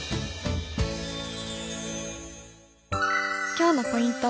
今日のポイント